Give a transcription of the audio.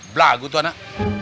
blah gitu anak